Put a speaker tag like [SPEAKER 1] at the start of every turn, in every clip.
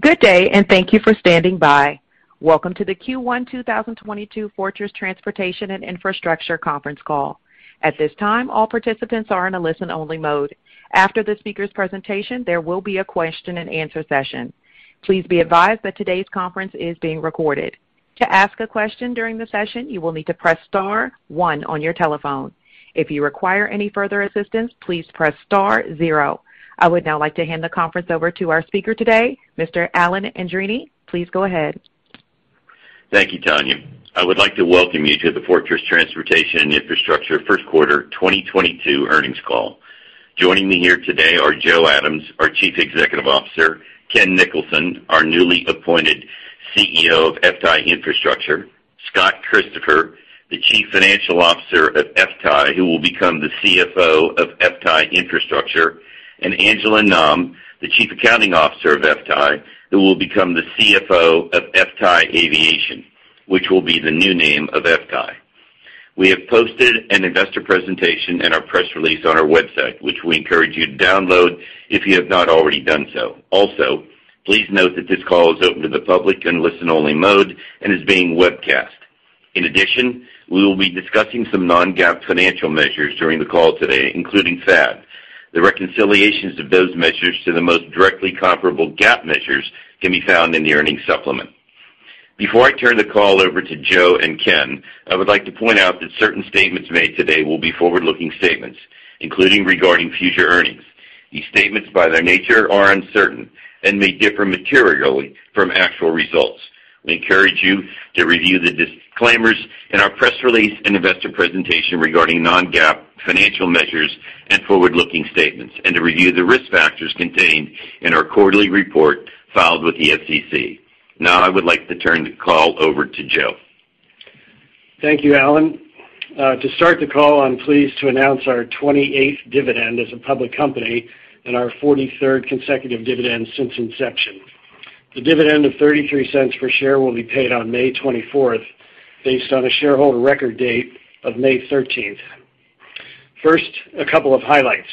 [SPEAKER 1] Good day, and thank you for standing by. Welcome to the Q1 2022 Fortress Transportation and Infrastructure conference call. At this time, all participants are in a listen-only mode. After the speaker's presentation, there will be a question-and-answer session. Please be advised that today's conference is being recorded. To ask a question during the session, you will need to press star one on your telephone. If you require any further assistance, please press star zero. I would now like to hand the conference over to our speaker today, Mr. Alan Andreini. Please go ahead.
[SPEAKER 2] Thank you, Tanya. I would like to welcome you to the Fortress Transportation and Infrastructure first quarter 2022 earnings call. Joining me here today are Joe Adams, our Chief Executive Officer, Ken Nicholson, our newly appointed CEO of FTAI Infrastructure, Scott Christopher, the Chief Financial Officer of FTAI, who will become the CFO of FTAI Infrastructure, and Angela Nam, the Chief Accounting Officer of FTAI, who will become the CFO of FTAI Aviation, which will be the new name of FTAI. We have posted an investor presentation in our press release on our website, which we encourage you to download if you have not already done so. Also, please note that this call is open to the public in listen-only mode and is being webcast. In addition, we will be discussing some non-GAAP financial measures during the call today, including FAD. The reconciliations of those measures to the most directly comparable GAAP measures can be found in the earnings supplement. Before I turn the call over to Joe and Ken, I would like to point out that certain statements made today will be forward-looking statements, including regarding future earnings. These statements, by their nature, are uncertain and may differ materially from actual results. We encourage you to review the disclaimers in our press release and investor presentation regarding non-GAAP financial measures and forward-looking statements, and to review the risk factors contained in our quarterly report filed with the SEC. Now I would like to turn the call over to Joe.
[SPEAKER 3] Thank you, Alan. To start the call, I'm pleased to announce our 28th dividend as a public company and our 43rd consecutive dividend since inception. The dividend of $0.33 per share will be paid on May 24th, based on a shareholder record date of May 13th. First, a couple of highlights.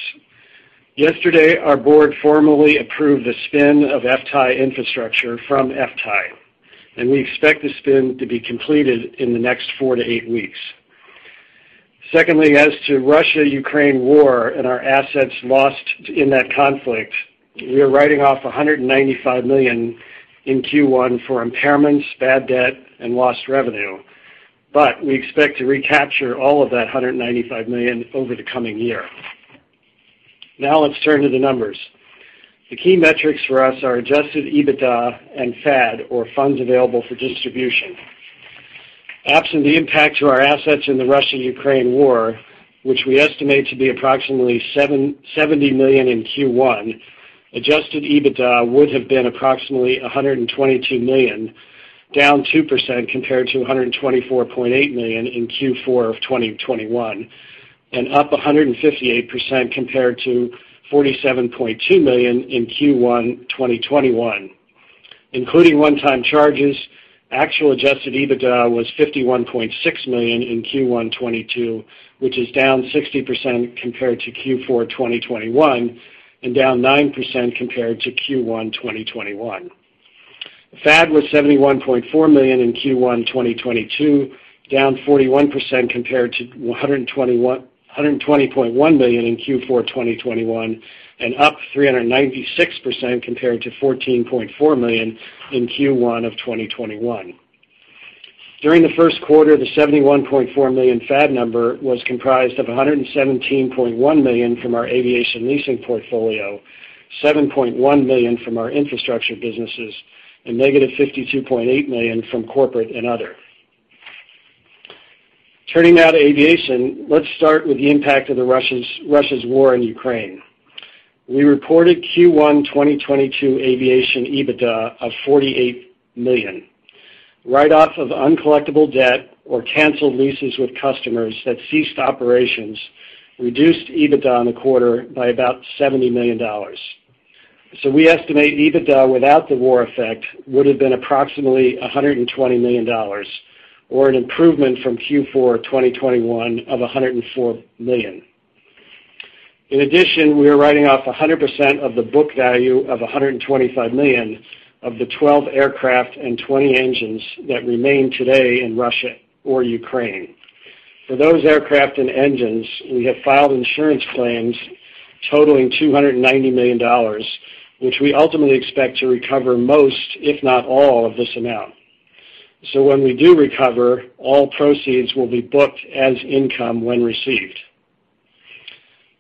[SPEAKER 3] Yesterday, our board formally approved the spin of FTAI Infrastructure from FTAI, and we expect the spin to be completed in the next four weeks-eight weeks. Secondly, as to Russia-Ukraine war and our assets lost in that conflict, we are writing off $195 million in Q1 for impairments, bad debt, and lost revenue. We expect to recapture all of that $195 million over the coming year. Now let's turn to the numbers. The key metrics for us are adjusted EBITDA and FAD, or Funds Available for Distribution. Absent the impact to our assets in the Russia-Ukraine war, which we estimate to be approximately $770 million in Q1, adjusted EBITDA would have been approximately $122 million, down 2% compared to $124.8 million in Q4 of 2021, and up 158% compared to $47.2 million in Q1 2021. Including one-time charges, actual adjusted EBITDA was $51.6 million in Q1 2022, which is down 60% compared to Q4 2021 and down 9% compared to Q1 2021. FAD was $71.4 million in Q1 2022, down 41% compared to $120.1 million in Q4 2021 and up 396% compared to $14.4 million in Q1 of 2021. During the first quarter, the $71.4 million FAD number was comprised of $117.1 million from our aviation leasing portfolio, $7.1 million from our infrastructure businesses, and -$52.8 million from corporate and other. Turning now to aviation, let's start with the impact of Russia's war in Ukraine. We reported Q1 2022 aviation EBITDA of $48 million. Write-off of uncollectible debt or canceled leases with customers that ceased operations reduced EBITDA in the quarter by about $70 million. We estimate EBITDA without the war effect would have been approximately $120 million or an improvement from Q4 2021 of $104 million. In addition, we are writing off 100% of the book value of $125 million of the 12 aircraft and 20 engines that remain today in Russia or Ukraine. For those aircraft and engines, we have filed insurance claims totaling $290 million, which we ultimately expect to recover most, if not all, of this amount. When we do recover, all proceeds will be booked as income when received.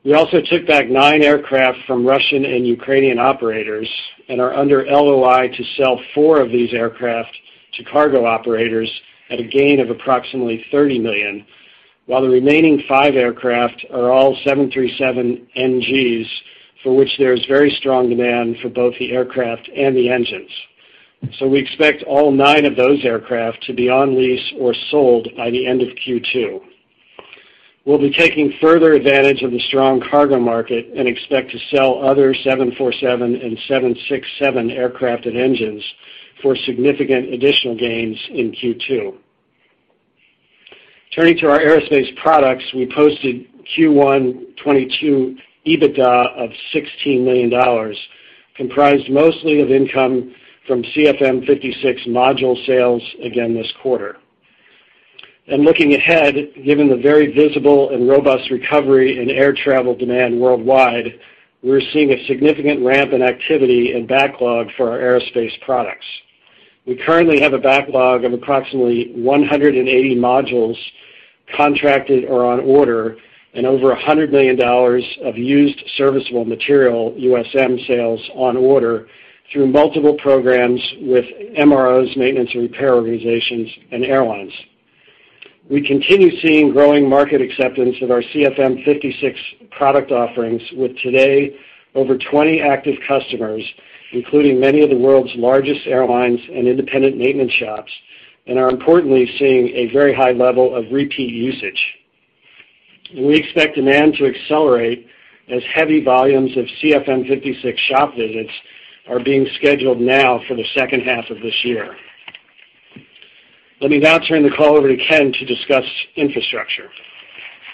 [SPEAKER 3] We also took back nine aircraft from Russian and Ukrainian operators and are under LOI to sell four of these aircraft to cargo operators at a gain of approximately $30 million, while the remaining five aircraft are all 737 NGs, for which there is very strong demand for both the aircraft and the engines. We expect all nine of those aircraft to be on lease or sold by the end of Q2. We'll be taking further advantage of the strong cargo market and expect to sell other 747 and 767 aircraft and engines for significant additional gains in Q2. Turning to our aerospace products, we posted Q1 2022 EBITDA of $16 million, comprised mostly of income from CFM56 module sales again this quarter. Looking ahead, given the very visible and robust recovery in air travel demand worldwide, we're seeing a significant ramp in activity and backlog for our aerospace products. We currently have a backlog of approximately 180 modules contracted or on order and over $100 million of used serviceable material, USM, sales on order through multiple programs with MROs, Maintenance, Repair, and Overhaul organizations, and airlines. We continue seeing growing market acceptance of our CFM56 product offerings, with today over 20 active customers, including many of the world's largest airlines and independent maintenance shops, and are importantly seeing a very high level of repeat usage. We expect demand to accelerate as heavy volumes of CFM56 shop visits are being scheduled now for the second half of this year. Let me now turn the call over to Ken to discuss infrastructure.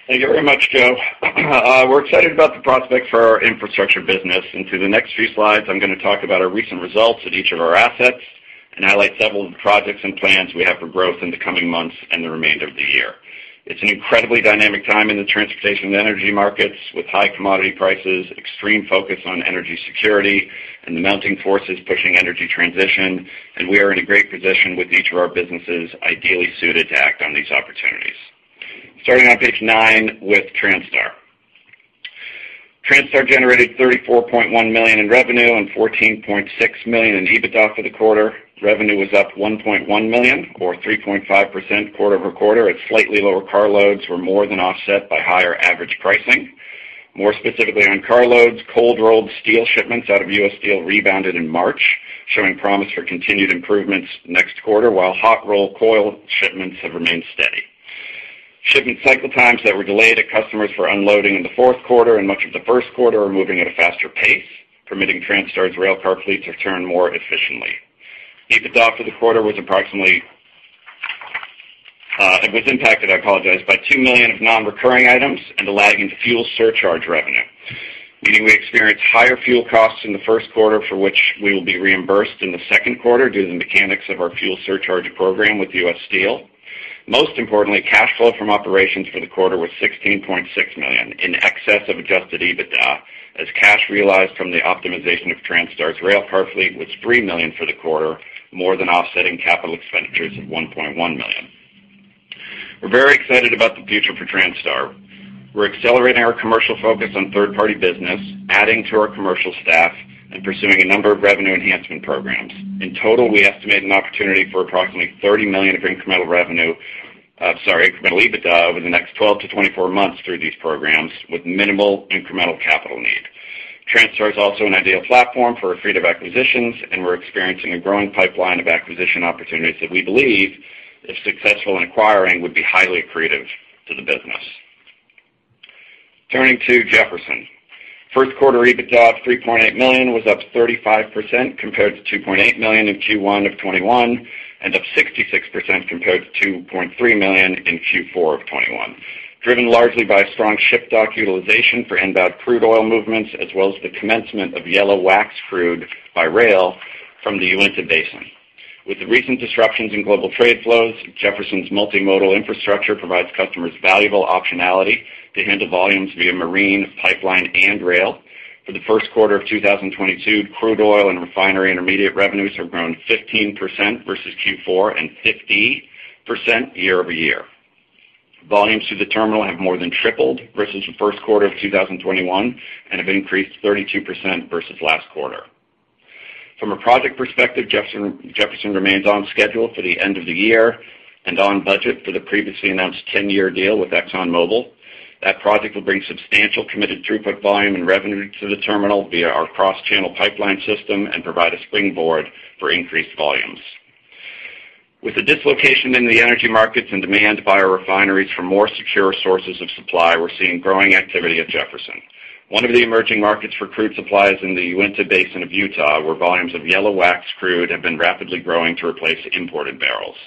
[SPEAKER 4] Thank you very much, Joe. We're excited about the prospects for our infrastructure business, and through the next few slides, I'm gonna talk about our recent results at each of our assets and highlight several of the projects and plans we have for growth in the coming months and the remainder of the year. It's an incredibly dynamic time in the transportation and energy markets with high commodity prices, extreme focus on energy security, and the mounting forces pushing energy transition, and we are in a great position with each of our businesses ideally suited to act on these opportunities. Starting on page nine with Transtar. Transtar generated $34.1 million in revenue and $14.6 million in EBITDA for the quarter. Revenue was up $1.1 million or 3.5% quarter-over-quarter as slightly lower car loads were more than offset by higher average pricing. More specifically on car loads, cold-rolled steel shipments out of U.S. Steel rebounded in March, showing promise for continued improvements next quarter, while hot-rolled coil shipments have remained steady. Shipment cycle times that were delayed at customers for unloading in the fourth quarter and much of the first quarter are moving at a faster pace, permitting Transtar's railcar fleet to turn more efficiently. EBITDA for the quarter was approximately. It was impacted, I apologize, by $2 million of non-recurring items and a lag in fuel surcharge revenue, meaning we experienced higher fuel costs in the first quarter for which we will be reimbursed in the second quarter due to the mechanics of our fuel surcharge program with U.S. Steel. Most importantly, cash flow from operations for the quarter was $16.6 million, in excess of adjusted EBITDA, as cash realized from the optimization of Transtar's railcar fleet was $3 million for the quarter, more than offsetting capital expenditures of $1.1 million. We're very excited about the future for Transtar. We're accelerating our commercial focus on third-party business, adding to our commercial staff, and pursuing a number of revenue enhancement programs. In total, we estimate an opportunity for approximately $30 million of incremental EBITDA over the next 12 months-24 months through these programs with minimal incremental capital need. Transtar is also an ideal platform for accretive acquisitions, and we're experiencing a growing pipeline of acquisition opportunities that we believe, if successful in acquiring, would be highly accretive to the business. Turning to Jefferson. First quarter EBITDA of $3.8 million was up 35% compared to $2.8 million in Q1 of 2021, and up 66% compared to $2.3 million in Q4 of 2021, driven largely by strong ship dock utilization for inbound crude oil movements as well as the commencement of yellow wax crude by rail from the Uinta Basin. With the recent disruptions in global trade flows, Jefferson's multi-modal infrastructure provides customers valuable optionality to handle volumes via marine, pipeline, and rail. For the first quarter of 2022, crude oil and refinery intermediate revenues have grown 15% versus Q4 and 50% year-over-year. Volumes through the terminal have more than tripled versus the first quarter of 2021 and have increased 32% versus last quarter. From a project perspective, Jefferson remains on schedule for the end of the year and on budget for the previously announced ten-year deal with ExxonMobil. That project will bring substantial committed throughput volume and revenue to the terminal via our cross-channel pipeline system and provide a springboard for increased volumes. With the dislocation in the energy markets and demand by our refineries for more secure sources of supply, we're seeing growing activity at Jefferson. One of the emerging markets for crude supplies in the Uinta Basin of Utah, where volumes of yellow wax crude have been rapidly growing to replace imported barrels.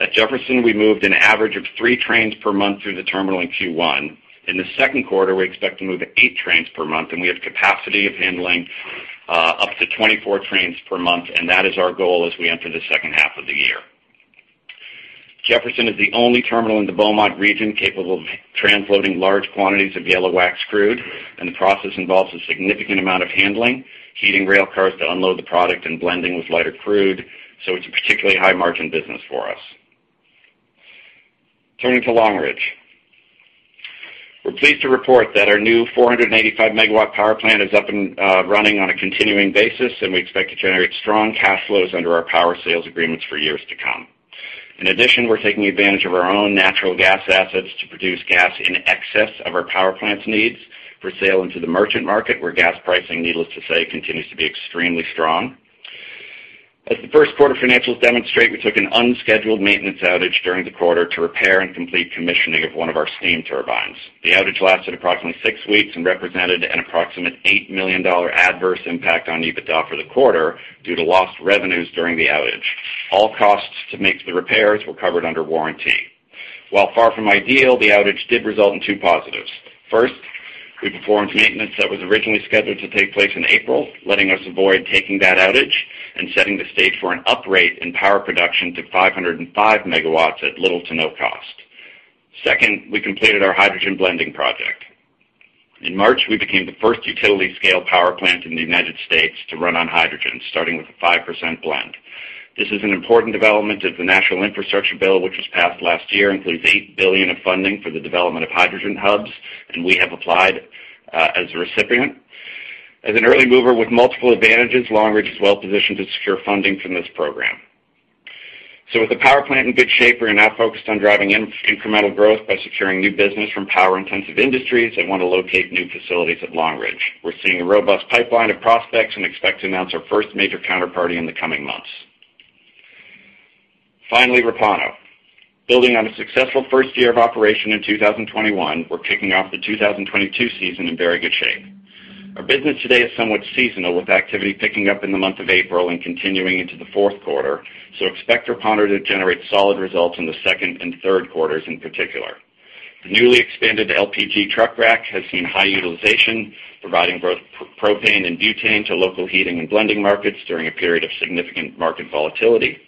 [SPEAKER 4] At Jefferson, we moved an average of three trains per month through the terminal in Q1. In the second quarter, we expect to move eight trains per month, and we have capacity of handling up to 24 trains per month, and that is our goal as we enter the second half of the year. Jefferson is the only terminal in the Beaumont region capable of transloading large quantities of yellow wax crude, and the process involves a significant amount of handling, heating railcars to unload the product, and blending with lighter crude, so it's a particularly high-margin business for us. Turning to Long Ridge. We're pleased to report that our new 485-MW power plant is up and running on a continuing basis, and we expect to generate strong cash flows under our power sales agreements for years to come. In addition, we're taking advantage of our own natural gas assets to produce gas in excess of our power plant's needs for sale into the merchant market, where gas pricing, needless to say, continues to be extremely strong. As the first quarter financials demonstrate, we took an unscheduled maintenance outage during the quarter to repair and complete commissioning of one of our steam turbines. The outage lasted approximately six weeks and represented an approximate $8 million adverse impact on EBITDA for the quarter due to lost revenues during the outage. All costs to make the repairs were covered under warranty. While far from ideal, the outage did result in two positives. First, we performed maintenance that was originally scheduled to take place in April, letting us avoid taking that outage and setting the stage for an uprate in power production to 505 MW at little to no cost. Second, we completed our hydrogen blending project. In March, we became the first utility-scale power plant in the United States to run on hydrogen, starting with a 5% blend. This is an important development as the Bipartisan Infrastructure Law, which was passed last year, includes $8 billion of funding for the development of hydrogen hubs, and we have applied as a recipient. As an early mover with multiple advantages, Long Ridge is well positioned to secure funding from this program. With the power plant in good shape, we're now focused on driving incremental growth by securing new business from power-intensive industries that want to locate new facilities at Long Ridge. We're seeing a robust pipeline of prospects and expect to announce our first major counterparty in the coming months. Finally, Repauno. Building on a successful first year of operation in 2021, we're kicking off the 2022 season in very good shape. Our business today is somewhat seasonal, with activity picking up in the month of April and continuing into the fourth quarter, so expect Repauno to generate solid results in the second and third quarters in particular. The newly expanded LPG truck rack has seen high utilization, providing both propane and butane to local heating and blending markets during a period of significant market volatility.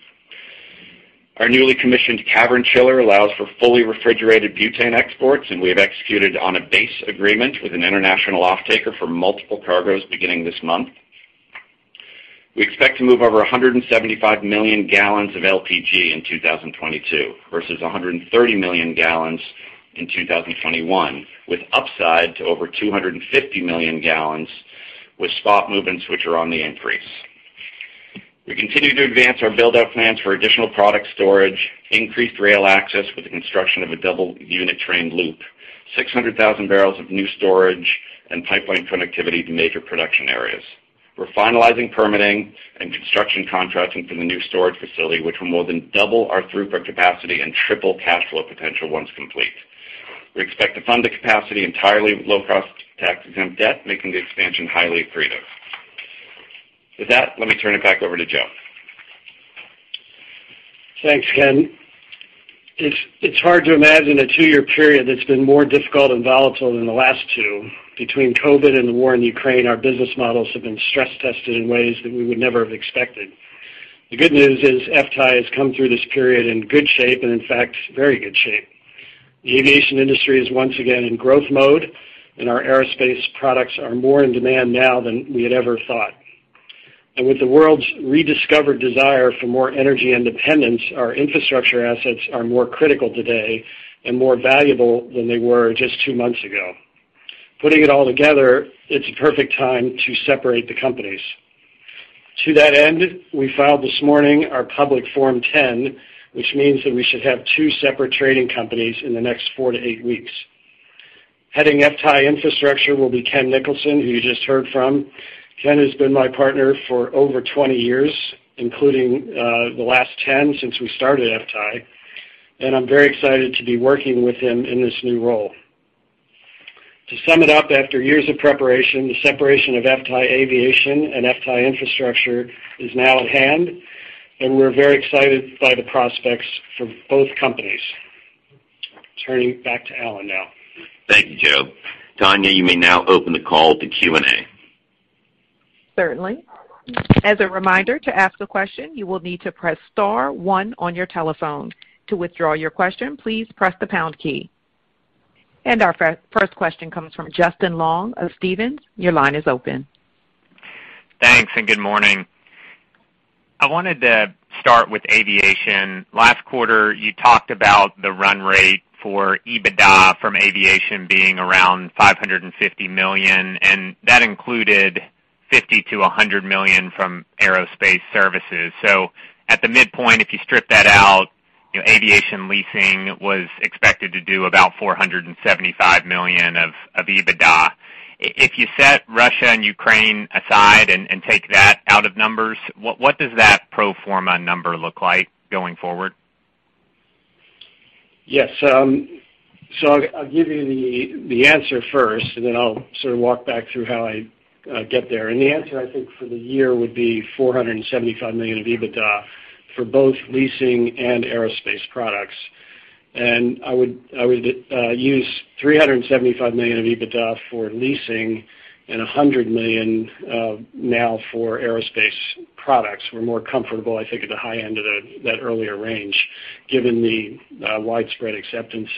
[SPEAKER 4] Our newly commissioned cavern chiller allows for fully refrigerated butane exports, and we have executed on a base agreement with an international offtaker for multiple cargoes beginning this month. We expect to move over 175 million gallons of LPG in 2022 versus 130 million gallons in 2021, with upside to over 250 million gallons with spot movements which are on the increase. We continue to advance our build-out plans for additional product storage, increased rail access with the construction of a double unit train loop, 600,000 barrels of new storage, and pipeline connectivity to major production areas. We're finalizing permitting and construction contracting for the new storage facility, which will more than double our throughput capacity and triple cash flow potential once complete. We expect to fund the capacity entirely with low-cost tax-exempt debt, making the expansion highly accretive. With that, let me turn it back over to Joe.
[SPEAKER 3] Thanks, Ken. It's hard to imagine a two-year period that's been more difficult and volatile than the last two. Between COVID and the war in Ukraine, our business models have been stress tested in ways that we would never have expected. The good news is, FTAI has come through this period in good shape, and in fact, very good shape. The aviation industry is once again in growth mode, and our aerospace products are more in demand now than we had ever thought. With the world's rediscovered desire for more energy independence, our infrastructure assets are more critical today and more valuable than they were just two months ago. Putting it all together, it's a perfect time to separate the companies. To that end, we filed this morning our public Form 10, which means that we should have two separate trading companies in the next four weeks-eight weeks. Heading FTAI Infrastructure will be Ken Nicholson, who you just heard from. Ken has been my partner for over 20 years, including, the last 10 since we started FTAI, and I'm very excited to be working with him in this new role. To sum it up, after years of preparation, the separation of FTAI Aviation and FTAI Infrastructure is now at hand, and we're very excited by the prospects for both companies. Turning back to Alan now.
[SPEAKER 4] Thank you, Joe. Tanya, you may now open the call to Q&A.
[SPEAKER 1] Certainly. As a reminder, to ask a question, you will need to press star one on your telephone. To withdraw your question, please press the pound key. Our first question comes from Justin Long of Stephens. Your line is open.
[SPEAKER 5] Thanks, good morning. I wanted to start with aviation. Last quarter, you talked about the run rate for EBITDA from aviation being around $550 million, and that included $50 million-$100 million from aerospace services. At the midpoint, if you strip that out, you know, aviation leasing was expected to do about $475 million of EBITDA. If you set Russia and Ukraine aside and take that out of numbers, what does that pro forma number look like going forward?
[SPEAKER 3] Yes. So I'll give you the answer first, and then I'll sort of walk back through how I get there. The answer, I think, for the year would be $475 million of EBITDA for both leasing and aerospace products. I would use $375 million of EBITDA for leasing and $100 million now for aerospace products. We're more comfortable, I think, at the high end of that earlier range, given the widespread acceptance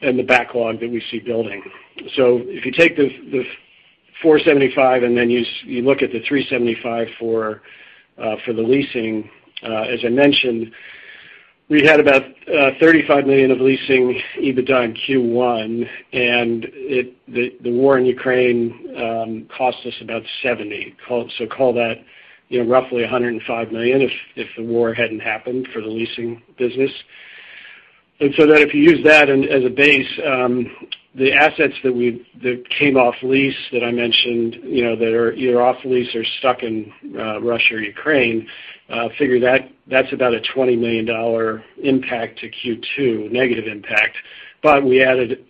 [SPEAKER 3] and the backlog that we see building. If you take the four seventy-five and then you look at the three seventy-five for the leasing, as I mentioned, we had about $35 million of leasing EBITDA in Q1, and the war in Ukraine cost us about $70 million. Call that, you know, roughly $105 million if the war hadn't happened for the leasing business. If you use that as a base, the assets that came off lease that I mentioned, you know, that are either off lease or stuck in Russia or Ukraine, figure that's about a $20 million impact to Q2, negative impact. We added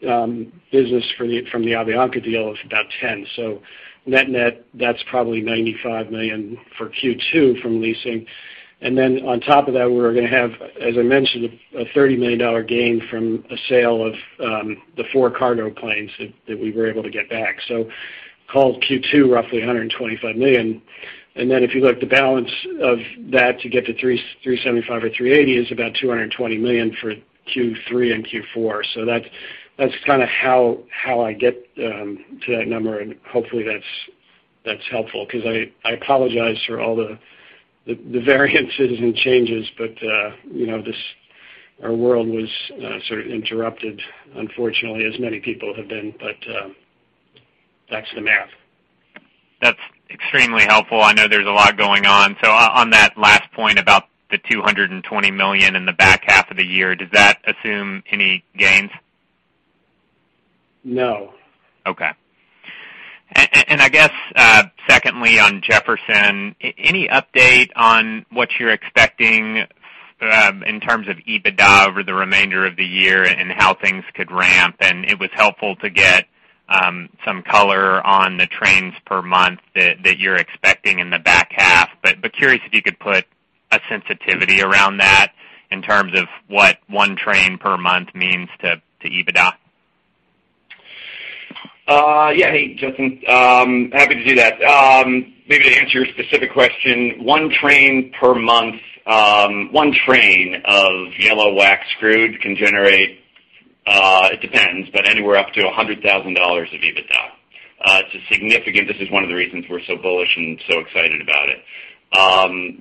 [SPEAKER 3] business from the Avianca deal of about $10 million. Net-net, that's probably $95 million for Q2 from leasing. On top of that, we're gonna have, as I mentioned, a $30 million gain from a sale of the four cargo planes that we were able to get back. Call Q2 roughly $125 million. If you look the balance of that to get to 375 or 380 is about $220 million for Q3 and Q4. That's kinda how I get to that number. Hopefully that's helpful 'cause I apologize for all the variances and changes, but you know, our world was sort of interrupted, unfortunately, as many people have been. That's the math.
[SPEAKER 5] That's extremely helpful. I know there's a lot going on. On that last point about the $220 million in the back half of the year, does that assume any gains?
[SPEAKER 3] No.
[SPEAKER 5] Okay. I guess, secondly, on Jefferson, any update on what you're expecting, in terms of EBITDA over the remainder of the year and how things could ramp? It was helpful to get some color on the trains per month that you're expecting in the back half. Curious if you could put a sensitivity around that in terms of what one train per month means to EBITDA.
[SPEAKER 4] Yeah. Hey, Justin. Happy to do that. Maybe to answer your specific question, one train per month, one train of yellow wax crude can generate, it depends, but anywhere up to $100,000 of EBITDA. It's a significant. This is one of the reasons we're so bullish and so excited about it.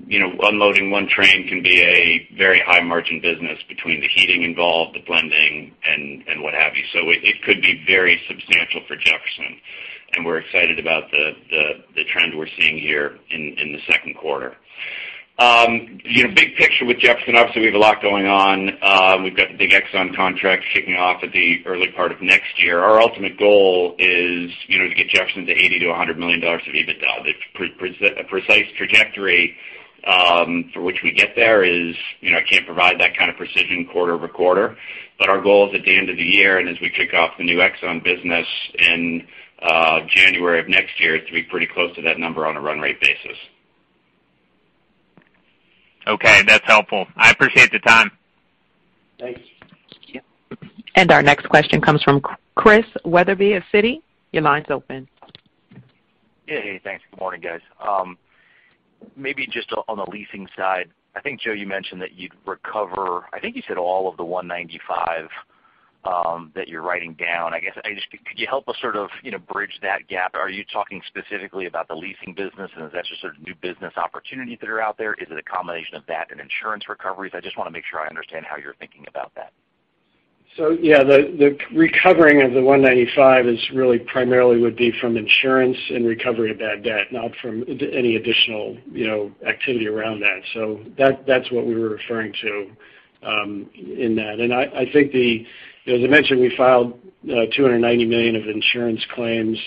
[SPEAKER 4] You know, unloading one train can be a very high margin business between the heating involved, the blending, and what have you. So it could be very substantial for Jefferson, and we're excited about the trend we're seeing here in the second quarter. You know, big picture with Jefferson, obviously we have a lot going on. We've got the big Exxon contract kicking off at the early part of next year. Our ultimate goal is, you know, to get Jefferson to $80 million-$100 million of EBITDA. The precise trajectory for which we get there is, you know, I can't provide that kind of precision quarter-over-quarter. Our goal is at the end of the year, and as we kick off the new Exxon business in January of next year, is to be pretty close to that number on a run rate basis.
[SPEAKER 5] Okay, that's helpful. I appreciate the time.
[SPEAKER 3] Thank you.
[SPEAKER 4] Thank you.
[SPEAKER 1] Our next question comes from Chris Wetherbee of Citi. Your line's open.
[SPEAKER 6] Yeah. Hey, thanks. Good morning, guys. Maybe just on the leasing side. I think, Joe, you mentioned that you'd recover, I think you said all of the $195 million that you're writing down. Could you help us sort of, you know, bridge that gap? Are you talking specifically about the leasing business, and is that just sort of new business opportunities that are out there? Is it a combination of that and insurance recoveries? I just wanna make sure I understand how you're thinking about that.
[SPEAKER 3] Yeah, the recovering of the $195 million is really primarily would be from insurance and recovery of bad debt, not from any additional, you know, activity around that. That's what we were referring to in that. I think the... You know, as I mentioned, we filed $290 million of insurance claims.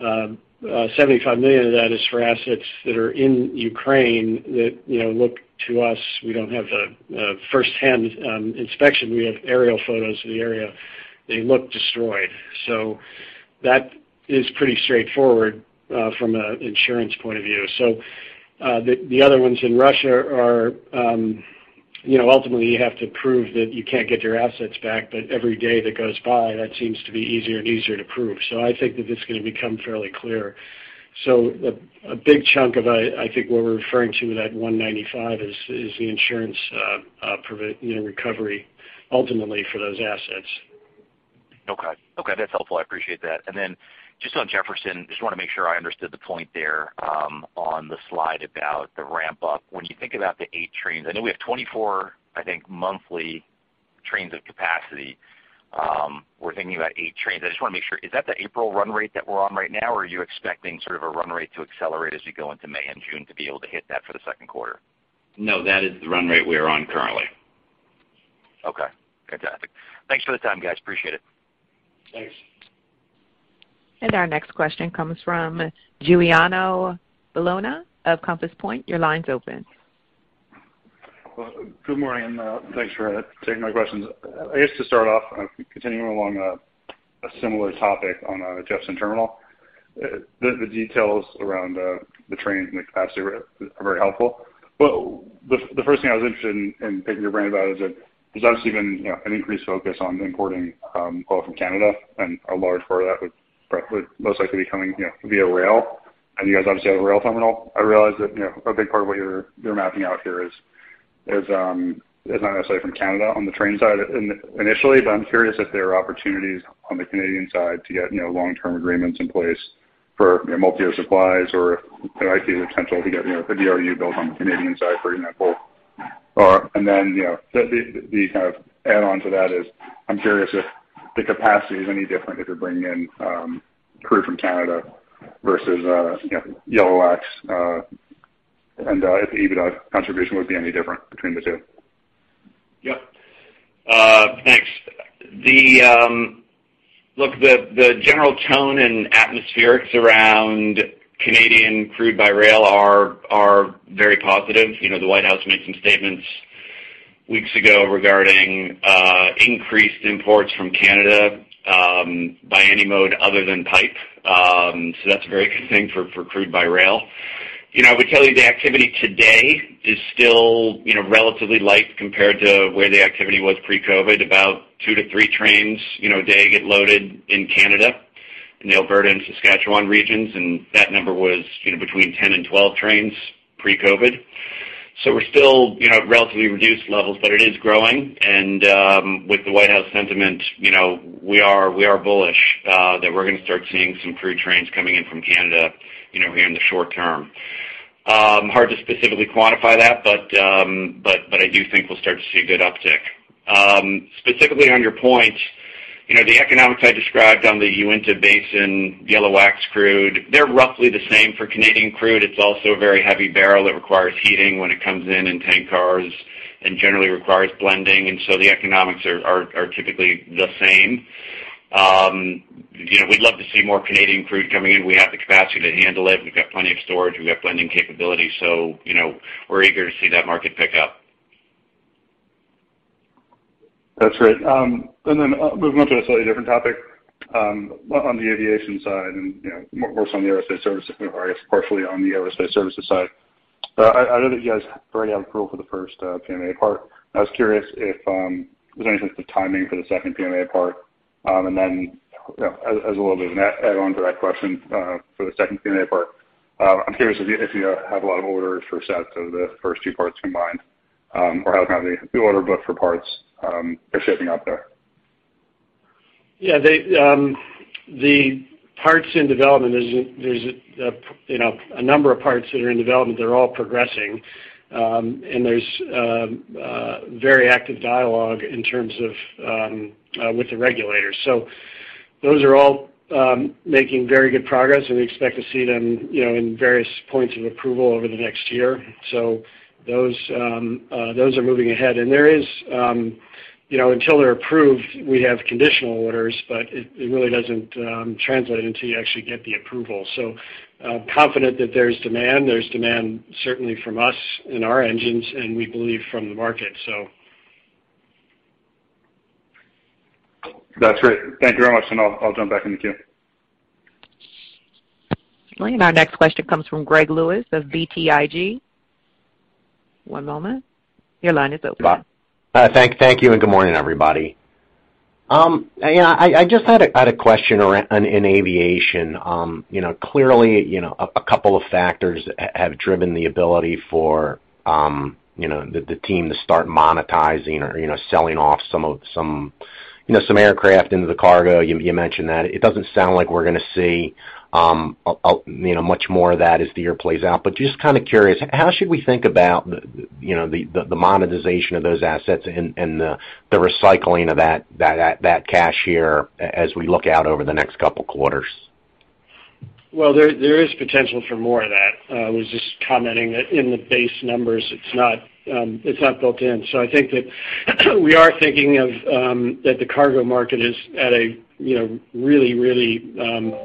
[SPEAKER 3] $75 million of that is for assets that are in Ukraine that, you know, look to us, we don't have the firsthand inspection. We have aerial photos of the area. They look destroyed. That is pretty straightforward from an insurance point of view. The other ones in Russia are, you know, ultimately, you have to prove that you can't get your assets back, but every day that goes by, that seems to be easier and easier to prove. I think that that's gonna become fairly clear. A big chunk of I think what we're referring to with that $195 million is the insurance, you know, recovery ultimately for those assets.
[SPEAKER 6] Okay. Okay, that's helpful. I appreciate that. Then just on Jefferson, just wanna make sure I understood the point there, on the slide about the ramp up. When you think about the eight trains, I know we have 24, I think, monthly trains of capacity. We're thinking about eight trains. I just wanna make sure, is that the April run rate that we're on right now, or are you expecting sort of a run rate to accelerate as we go into May and June to be able to hit that for the second quarter?
[SPEAKER 4] No, that is the run rate we are on currently.
[SPEAKER 6] Okay, fantastic. Thanks for the time, guys. Appreciate it.
[SPEAKER 3] Thanks.
[SPEAKER 1] Our next question comes from Giuliano Bologna of Compass Point. Your line's open.
[SPEAKER 7] Well, good morning, and thanks for taking my questions. I guess to start off, continuing along a similar topic on the Jefferson Terminal. The details around the trains and the capacity are very helpful. But the first thing I was interested in picking your brain about is that there's obviously been, you know, an increased focus on importing oil from Canada and a large part of that would most likely be coming, you know, via rail. You guys obviously have a rail terminal. I realize that, you know, a big part of what you're mapping out here is not necessarily from Canada on the train side initially, but I'm curious if there are opportunities on the Canadian side to get, you know, long-term agreements in place for, you know, multi-year supplies or if there might be the potential to get, you know, a DRU built on the Canadian side, for example. You know, the kind of add-on to that is I'm curious if the capacity is any different if you're bringing in crude from Canada versus, you know, yellow wax. And if the EBITDA contribution would be any different between the two.
[SPEAKER 4] Yep. Thanks. Look, the general tone and atmospherics around Canadian crude by rail are very positive. You know, the White House made some statements weeks ago regarding increased imports from Canada by any mode other than pipe. So that's a very good thing for crude by rail. You know, I would tell you the activity today is still relatively light compared to where the activity was pre-COVID, about two-three trains a day get loaded in Canada, in the Alberta and Saskatchewan regions. That number was between 10 and 12 trains pre-COVID. We're still at relatively reduced levels, but it is growing. With the White House sentiment, you know, we are bullish that we're gonna start seeing some crude trains coming in from Canada, you know, here in the short term. Hard to specifically quantify that, but I do think we'll start to see a good uptick. Specifically on your point, you know, the economics I described on the Uinta Basin, yellow wax crude, they're roughly the same for Canadian crude. It's also a very heavy barrel that requires heating when it comes in in tank cars and generally requires blending. The economics are typically the same. You know, we'd love to see more Canadian crude coming in. We have the capacity to handle it. We've got plenty of storage. We have blending capability. You know, we're eager to see that market pick up.
[SPEAKER 7] That's great. Moving on to a slightly different topic, on the aviation side and, you know, more so on the aerospace services, or I guess partially on the aerospace services side. I know that you guys already have approval for the first PMA part. I was curious if there's any sense of timing for the second PMA part. As a little bit of an add on to that question, for the second PMA part, I'm curious if you have a lot of orders for sets of the first two parts combined, or how's kind of the order book for parts are shaping up there?
[SPEAKER 3] Yeah, they, the parts in development, there's a, you know, a number of parts that are in development. They're all progressing, and there's very active dialogue in terms of with the regulators. Those are all making very good progress, and we expect to see them, you know, in various points of approval over the next year. Those are moving ahead. There is, you know, until they're approved, we have conditional orders, but it really doesn't translate until you actually get the approval. Confident that there's demand. There's demand certainly from us in our engines and we believe from the market, so.
[SPEAKER 7] That's great. Thank you very much, and I'll jump back in the queue.
[SPEAKER 1] Our next question comes from Greg Lewis of BTIG. One moment. Your line is open.
[SPEAKER 8] Thank you, and good morning, everybody. Yeah, I just had a question around in aviation. You know, clearly, you know, a couple of factors have driven the ability for, you know, the team to start monetizing or, you know, selling off some aircraft into the cargo. You mentioned that. It doesn't sound like we're gonna see a much more of that as the year plays out. Just kind of curious, how should we think about the, you know, the monetization of those assets and the recycling of that cash here as we look out over the next couple quarters?
[SPEAKER 3] Well, there is potential for more of that. I was just commenting that in the base numbers, it's not built in. I think that we are thinking of that the cargo market is at a you know really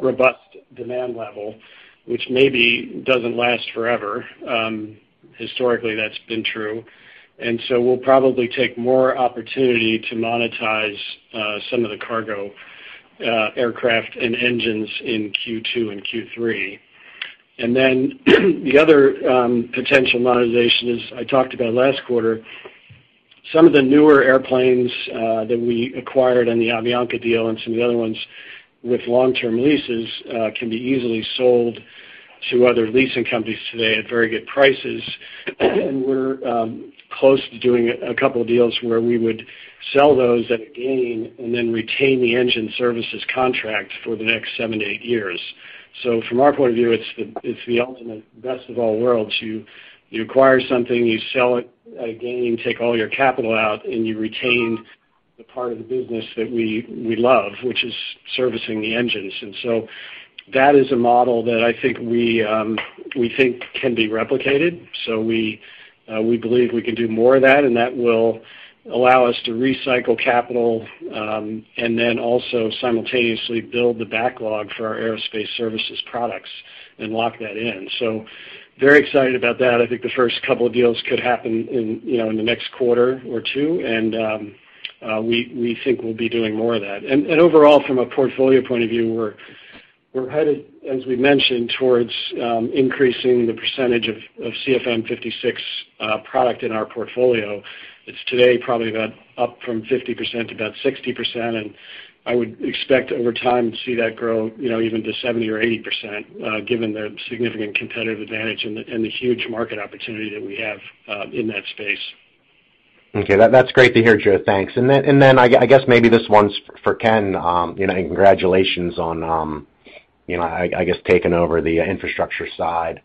[SPEAKER 3] robust demand level, which maybe doesn't last forever. Historically, that's been true. We'll probably take more opportunity to monetize some of the cargo aircraft and engines in Q2 and Q3. The other potential monetization is I talked about last quarter. Some of the newer airplanes that we acquired in the Avianca deal and some of the other ones with long-term leases can be easily sold to other leasing companies today at very good prices. We're close to doing a couple of deals where we would sell those at a gain and then retain the engine services contract for the next seven years-eight years. From our point of view, it's the ultimate best of all worlds. You acquire something, you sell it at a gain, take all your capital out, and you retain the part of the business that we love, which is servicing the engines. That is a model that I think we think can be replicated. We believe we can do more of that, and that will allow us to recycle capital and then also simultaneously build the backlog for our aerospace services products and lock that in. Very excited about that. I think the first couple of deals could happen in, you know, in the next quarter or two. We think we'll be doing more of that. Overall, from a portfolio point of view, we're headed, as we mentioned, towards increasing the percentage of CFM56 product in our portfolio. It's today probably about up from 50% to about 60%. I would expect over time to see that grow, you know, even to 70% or 80%, given the significant competitive advantage and the huge market opportunity that we have in that space.
[SPEAKER 8] Okay. That's great to hear, Joe. Thanks. Then I guess maybe this one's for Ken. You know, congratulations on, you know, I guess taking over the infrastructure side.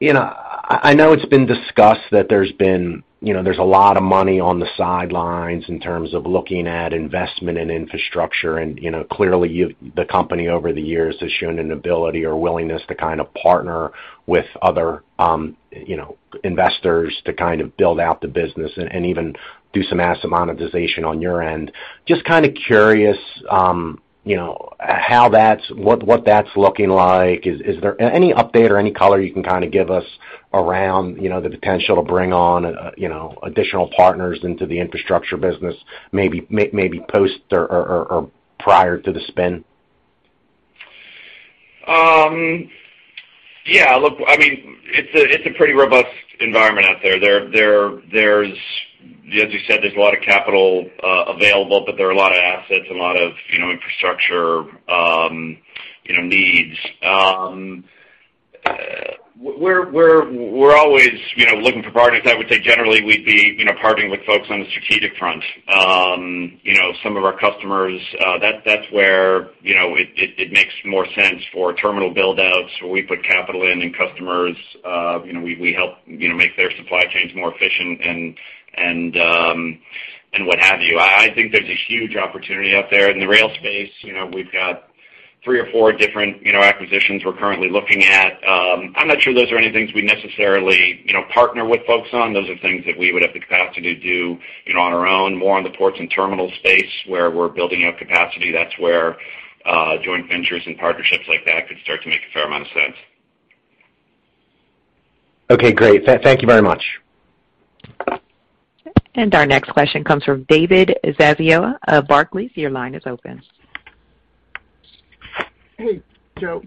[SPEAKER 8] You know, I know it's been discussed that there's been, you know, there's a lot of money on the sidelines in terms of looking at investment in infrastructure, you know, clearly, you've, the company over the years has shown an ability or willingness to kind of partner with other, you know, investors to kind of build out the business and even do some asset monetization on your end. Just kind of curious, you know, what that's looking like. Is there any update or any color you can kind of give us around, you know, the potential to bring on, you know, additional partners into the infrastructure business, maybe post or prior to the spin?
[SPEAKER 3] Yeah, look, I mean, it's a pretty robust environment out there. As you said, there's a lot of capital available, but there are a lot of assets and a lot of, you know, infrastructure, you know, needs. We're always, you know, looking for partners. I would say generally we'd be, you know, partnering with folks on the strategic front. You know, some of our customers, that's where, you know, it makes more sense for terminal build-outs, where we put capital in and customers, you know, we help, you know, make their supply chains more efficient and what have you. I think there's a huge opportunity out there. In the rail space, you know, we've got three or four different, you know, acquisitions we're currently looking at. I'm not sure those are any things we necessarily, you know, partner with folks on. Those are things that we would have the capacity to do, you know, on our own. More on the ports and terminal space, where we're building out capacity, that's where joint ventures and partnerships like that could start to make a fair amount of sense.
[SPEAKER 8] Okay, great. Thank you very much.
[SPEAKER 1] Our next question comes from David Zazula of Barclays. Your line is open.
[SPEAKER 9] Hey, Joe.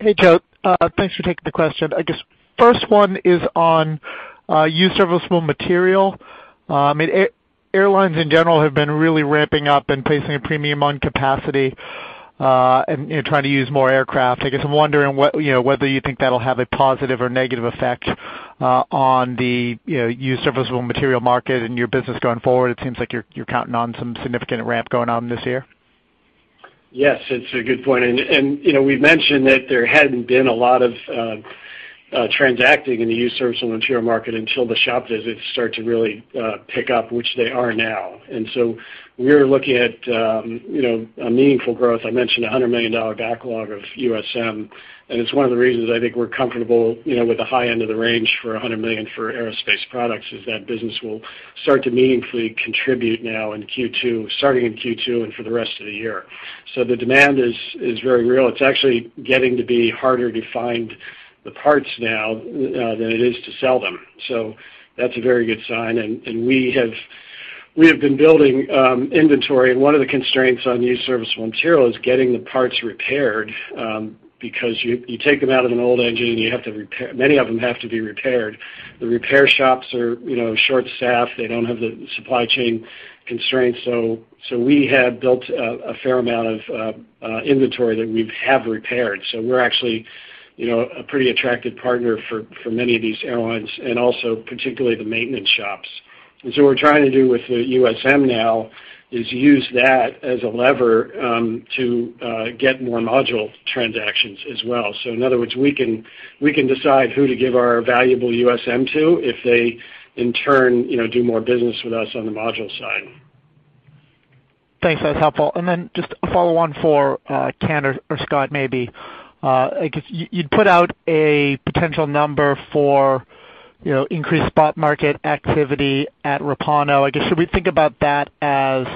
[SPEAKER 9] Thanks for taking the question. I guess first one is on used serviceable material. Airlines in general have been really ramping up and placing a premium on capacity, and you know, trying to use more aircraft. I guess I'm wondering what you know, whether you think that'll have a positive or negative effect on the you know, used serviceable material market and your business going forward. It seems like you're counting on some significant ramp going on this year.
[SPEAKER 3] Yes, it's a good point. You know, we've mentioned that there hadn't been a lot of transacting in the used serviceable material market until the shop visits start to really pick up, which they are now. We're looking at a meaningful growth. I mentioned a $100 million backlog of USM, and it's one of the reasons I think we're comfortable, you know, with the high end of the range for $100 million for aerospace products, is that business will start to meaningfully contribute now in Q2, starting in Q2 and for the rest of the year. The demand is very real. It's actually getting to be harder to find the parts now than it is to sell them. That's a very good sign. We have been building inventory. One of the constraints on used serviceable material is getting the parts repaired, because you take them out of an old engine, and you have to repair. Many of them have to be repaired. The repair shops are, you know, short-staffed. They do have the supply chain constraints. So we have built a fair amount of inventory that we have repaired. So we're actually, you know, a pretty attractive partner for many of these airlines and also particularly the maintenance shops. What we're trying to do with the USM now is use that as a lever to get more module transactions as well. So in other words, we can decide who to give our valuable USM to if they, in turn, you know, do more business with us on the module side.
[SPEAKER 9] Thanks. That's helpful. Just a follow-on for Ken or Scott maybe. I guess you put out a potential number for, you know, increased spot market activity at Repauno. I guess, should we think about that as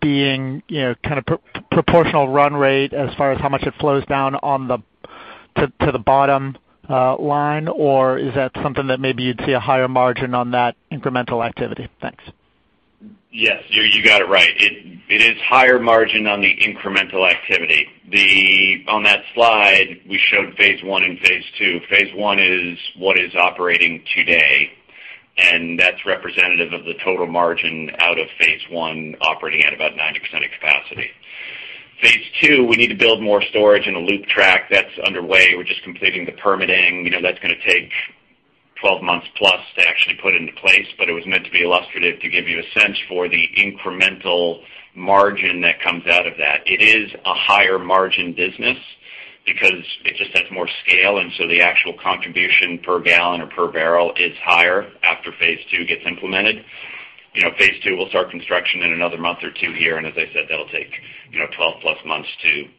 [SPEAKER 9] being, you know, kind of proportional run rate as far as how much it flows down to the bottom line? Or is that something that maybe you'd see a higher margin on that incremental activity? Thanks.
[SPEAKER 3] Yes, you got it right. It is higher margin on the incremental activity. On that slide, we showed phase one and phase two. Phase one is what is operating today, and that's representative of the total margin out of phase one operating at about 90% of capacity. Phase two, we need to build more storage and a loop track. That's underway. We're just completing the permitting. You know, that's gonna take 12+ months to actually put into place, but it was meant to be illustrative to give you a sense for the incremental margin that comes out of that. It is a higher margin business because it just has more scale, and so the actual contribution per gallon or per barrel is higher after phase two gets implemented. You know, phase two, we'll start construction in another month or two here, and as I said, that'll take, you know, 12+ months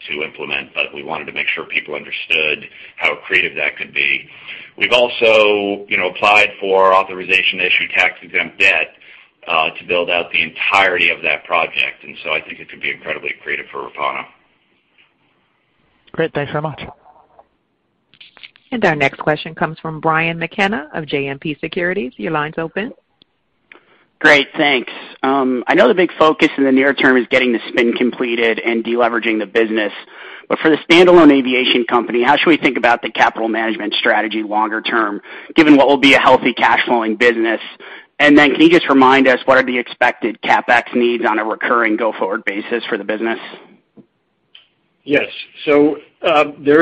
[SPEAKER 3] to implement. We wanted to make sure people understood how accretive that could be. We've also, you know, applied for authorization to issue tax-exempt debt to build out the entirety of that project. I think it could be incredibly accretive for Repauno.
[SPEAKER 9] Great. Thanks very much.
[SPEAKER 1] Our next question comes from Brian McKenna of JMP Securities. Your line's open.
[SPEAKER 10] Great. Thanks. I know the big focus in the near term is getting the spin completed and de-leveraging the business. For the standalone aviation company, how should we think about the capital management strategy longer term, given what will be a healthy cash flowing business? Then can you just remind us what are the expected CapEx needs on a recurring go-forward basis for the business?
[SPEAKER 3] Yes. There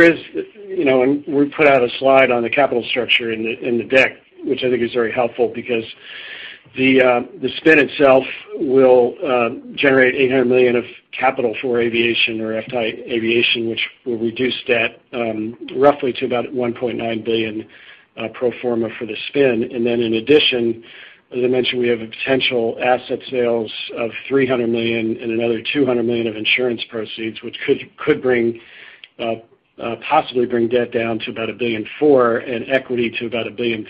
[SPEAKER 3] is, you know, we put out a slide on the capital structure in the deck, which I think is very helpful because the spin itself will generate $800 million of capital for aviation, which will reduce debt roughly to about $1.9 billion pro forma for the spin. Then in addition, as I mentioned, we have potential asset sales of $300 million and another $200 million of insurance proceeds, which could possibly bring debt down to about $1.4 billion and equity to about $1.3 billion.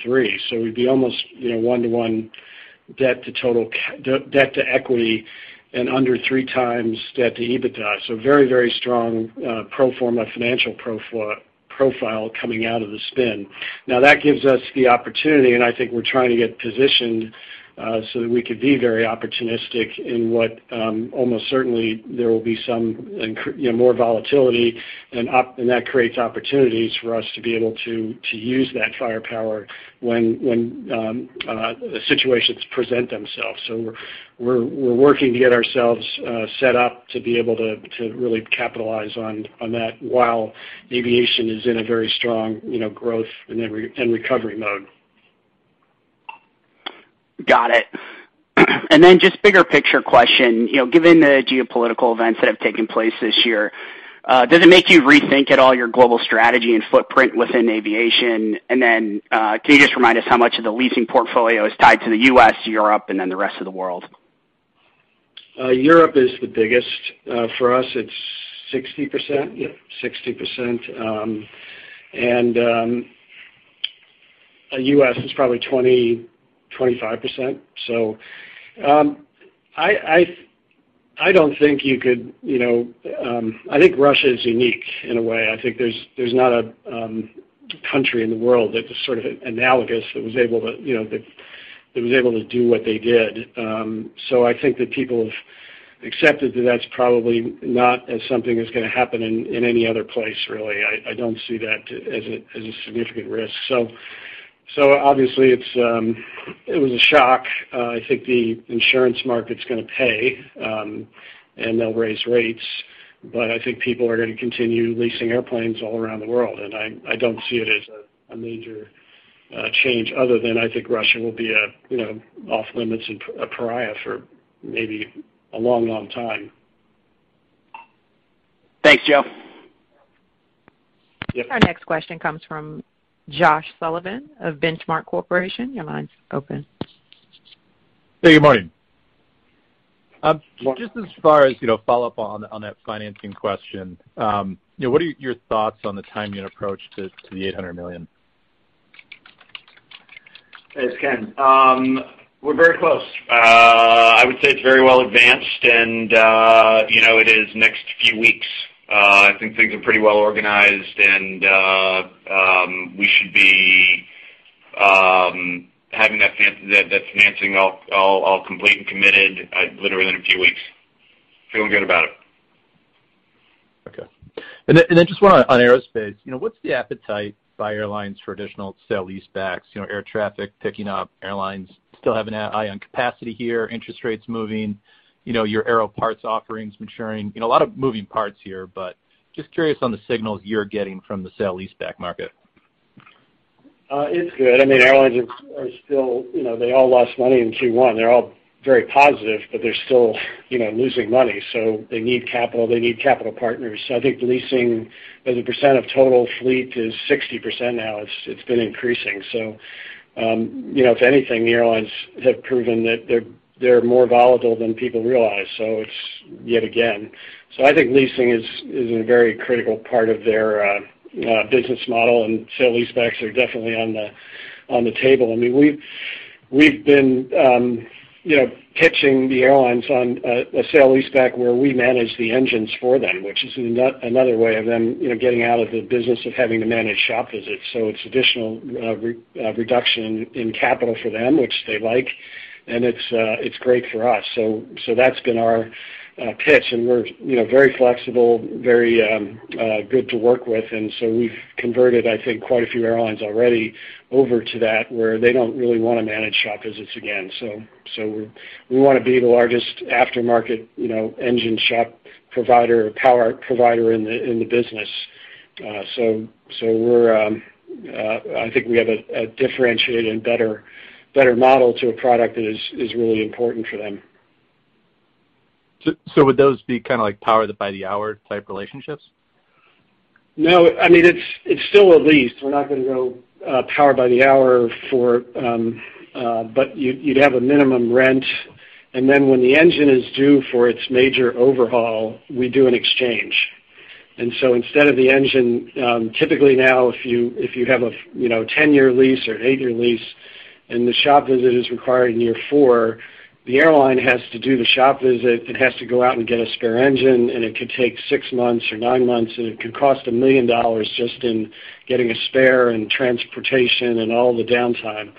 [SPEAKER 3] We'd be almost, you know, one-to-one debt to equity and under 3x debt to EBITDA. Very, very strong pro forma financial profile coming out of the spin. Now, that gives us the opportunity, and I think we're trying to get positioned so that we could be very opportunistic in what almost certainly there will be some, you know, more volatility and that creates opportunities for us to be able to use that firepower when situations present themselves. We're working to get ourselves set up to be able to really capitalize on that while aviation is in a very strong, you know, growth and recovery mode.
[SPEAKER 10] Got it. Just bigger picture question. You know, given the geopolitical events that have taken place this year, does it make you rethink at all your global strategy and footprint within aviation? Can you just remind us how much of the leasing portfolio is tied to the U.S., Europe, and then the rest of the world?
[SPEAKER 3] Europe is the biggest. For us, it's 60%. US is probably 20%-25%. I don't think you could, you know. I think Russia is unique in a way. I think there's not a country in the world that is sort of analogous that was able to, you know, that was able to do what they did. So I think that people have accepted that that's probably not something that's gonna happen in any other place, really. I don't see that as a significant risk. Obviously it's a shock. I think the insurance market's gonna pay, and they'll raise rates. I think people are gonna continue leasing airplanes all around the world. I don't see it as a major change other than I think Russia will be a, you know, off limits and a pariah for maybe a long, long time.
[SPEAKER 10] Thanks, Joe.
[SPEAKER 3] Yep.
[SPEAKER 1] Our next question comes from Josh Sullivan of The Benchmark Company. Your line's open.
[SPEAKER 11] Hey, good morning.
[SPEAKER 3] Morning.
[SPEAKER 11] Just as far as, you know, follow-up on that financing question. You know, what are your thoughts on the timing and approach to the $800 million?
[SPEAKER 3] It's Ken. We're very close. I would say it's very well advanced and, you know, it is next few weeks. I think things are pretty well organized and, we should be having that financing all complete and committed, literally in a few weeks. Feeling good about it.
[SPEAKER 11] Okay. Just one on aerospace. You know, what's the appetite by airlines for additional sale leasebacks? You know, air traffic picking up, airlines still having an eye on capacity here, interest rates moving, you know, your aero parts offerings maturing. You know, a lot of moving parts here, but just curious on the signals you're getting from the sale leaseback market.
[SPEAKER 3] It's good. I mean, airlines are still, you know, they all lost money in Q1. They're all very positive, but they're still, you know, losing money, so they need capital, they need capital partners. I think leasing as a percent of total fleet is 60% now. It's been increasing. You know, if anything, the airlines have proven that they're more volatile than people realize. It's yet again. I think leasing is a very critical part of their business model, and sale leasebacks are definitely on the table. I mean, we've been, you know, pitching the airlines on a sale leaseback where we manage the engines for them, which is another way of them, you know, getting out of the business of having to manage shop visits. It's additional reduction in capital for them, which they like, and it's great for us. That's been our pitch, and we're, you know, very flexible, very good to work with. We've converted, I think, quite a few airlines already over to that, where they don't really wanna manage shop visits again. We wanna be the largest aftermarket, you know, engine shop provider or power provider in the business. We're, I think we have a differentiated and better model to a product that is really important for them.
[SPEAKER 11] Would those be kind of like power by the hour type relationships?
[SPEAKER 3] No. I mean, it's still a lease. We're not gonna go power by the hour for, but you'd have a minimum rent, and then when the engine is due for its major overhaul, we do an exchange. Instead of the engine, typically now if you have a you know, 10-year lease or an eight year lease, and the shop visit is required in year four, the airline has to do the shop visit. It has to go out and get a spare engine, and it could take six months or nine months, and it could cost $1 million just in getting a spare and transportation and all the downtime.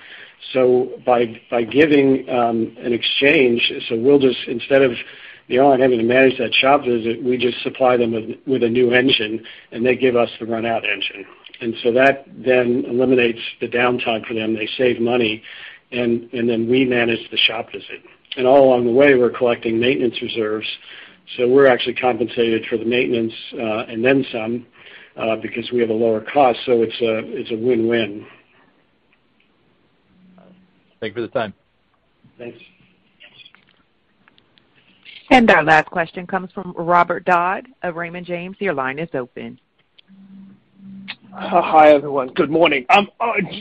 [SPEAKER 3] We'll just, instead of the airline having to manage that shop visit, we just supply them with a new engine, and they give us the run out engine. That then eliminates the downtime for them. They save money, and then we manage the shop visit. All along the way, we're collecting maintenance reserves, so we're actually compensated for the maintenance, and then some, because we have a lower cost. It's a win-win.
[SPEAKER 11] Thanks for the time.
[SPEAKER 3] Thanks.
[SPEAKER 1] Our last question comes from Robert Dodd of Raymond James. Your line is open.
[SPEAKER 12] Hi, everyone. Good morning.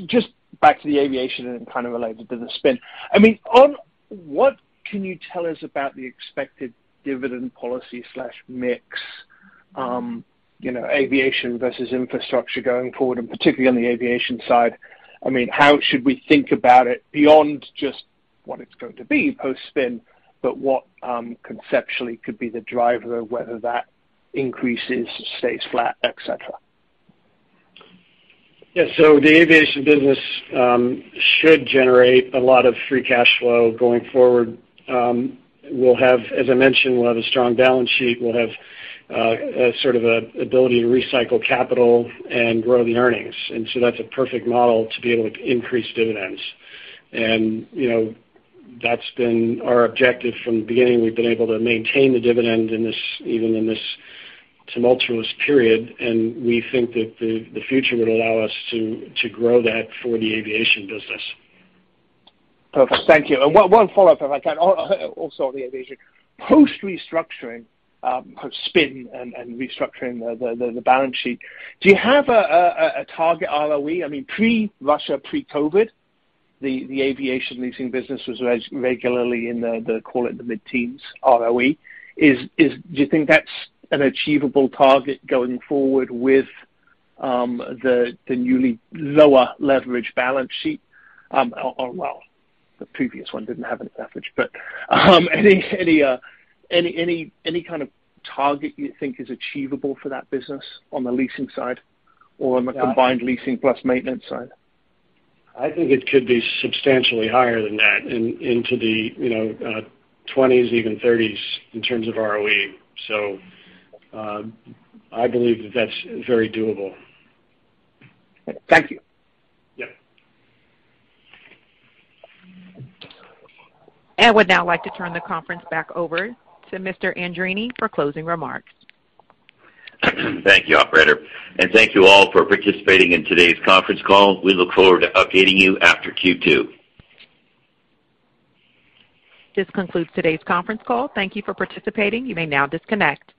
[SPEAKER 12] Just back to the aviation and kind of related to the spin. I mean, what can you tell us about the expected dividend policy mix, you know, aviation versus infrastructure going forward, and particularly on the aviation side? I mean, how should we think about it beyond just what it's going to be post-spin, but what conceptually could be the driver, whether that increases, stays flat, et cetera?
[SPEAKER 3] Yeah. The aviation business should generate a lot of free cash flow going forward. We'll have, as I mentioned, a strong balance sheet. We'll have a sort of an ability to recycle capital and grow the earnings. That's a perfect model to be able to increase dividends. You know, that's been our objective from the beginning. We've been able to maintain the dividend in this, even in this tumultuous period, and we think that the future would allow us to grow that for the aviation business.
[SPEAKER 12] Perfect. Thank you. One follow-up, if I can, also on the aviation. Post-restructuring, spin and restructuring the balance sheet, do you have a target ROE? I mean, pre-Russia, pre-COVID, the aviation leasing business was regularly in the call it the mid-teens ROE. Do you think that's an achievable target going forward with the newly lower leverage balance sheet? Or, well, the previous one didn't have any leverage, but any kind of target you think is achievable for that business on the leasing side or on the combined leasing plus maintenance side?
[SPEAKER 3] I think it could be substantially higher than that into the you know 20s, even 30s in terms of ROE. I believe that that's very doable.
[SPEAKER 12] Thank you.
[SPEAKER 3] Yeah.
[SPEAKER 1] I would now like to turn the conference back over to Mr. Andreini for closing remarks.
[SPEAKER 2] Thank you, operator, and thank you all for participating in today's conference call. We look forward to updating you after Q2.
[SPEAKER 1] This concludes today's conference call. Thank you for participating. You may now disconnect.